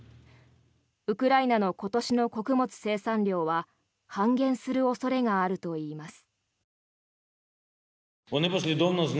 ウクライナの今年の穀物生産量は半減する恐れがあるといいます。